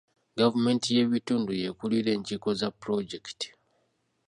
Gavumenti y'ebitundu y'ekulira enkiiko za pulojekiti.